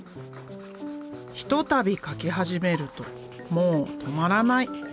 ひとたび描き始めるともう止まらない。